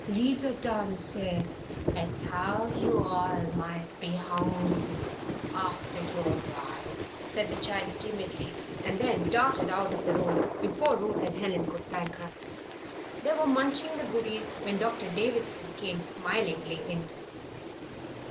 "'Liza done sez as how yo' all might be hongry aftah yo' ride," said the child, timidly, and then darted out of the room before Ruth and Helen could thank her. They were munching the goodies when Doctor Davison came smilingly in.